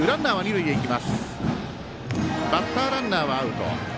バッターランナーはアウト。